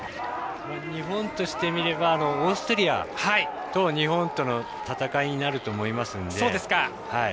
日本としてみればオーストリアと日本との戦いになると思いますんで。